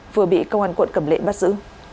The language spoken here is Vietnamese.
vừa bị công an quận cẩm lệ bắt giữ